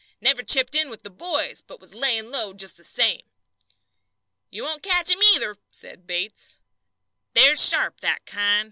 "Never chipped in with the boys, but was laying low just the same." "You won't catch him, either," said Bates. "They're sharp that kind.